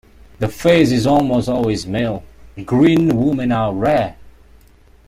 The face is almost always male; green women are rare.